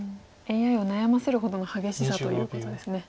ＡＩを悩ませるほどの激しさということですね。